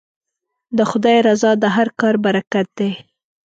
د خدای رضا د هر کار برکت دی.